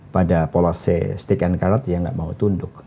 pada pola c stick and carrot dia nggak mau tunduk